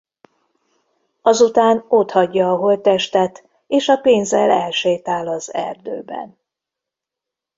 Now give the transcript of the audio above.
Azután otthagyja a holttestet és a pénzzel elsétál az erdőben.